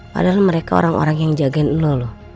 padahal mereka orang orang yang jagain lo loh